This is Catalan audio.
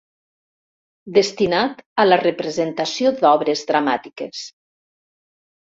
Destinat a la representació d'obres dramàtiques.